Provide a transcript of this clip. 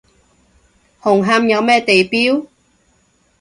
紅磡有咩地標？